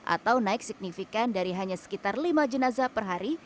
atau naik signifikan dari hanya sekitar lima jenazah per hari